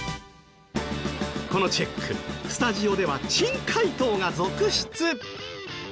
このチェックスタジオでは珍解答が続出！